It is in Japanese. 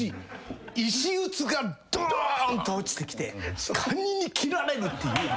石臼がどーんと落ちてきてカニに切られるっていう。